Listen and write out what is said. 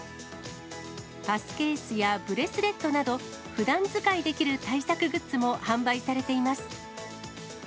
パスケースやブレスレットなど、ふだん使いできる対策グッズも販売されています。